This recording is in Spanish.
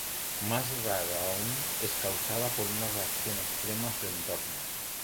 Más raro aún, es causada por una reacción extrema a su entorno.